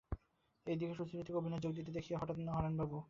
এ দিকে সুচরিতাকে অভিনয়ে যোগ দিতে দেখিয়া হঠাৎ হারানবাবুও উৎসাহিত হইয়া উঠিলেন।